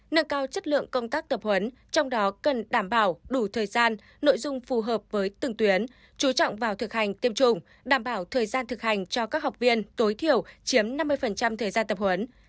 nâng cao chất lượng công tác tập huấn trong đó cần đảm bảo đủ thời gian nội dung phù hợp với từng tuyến chú trọng vào thực hành tiêm chủng đảm bảo thời gian thực hành cho các học viên tối thiểu chiếm năm mươi thời gian tập huấn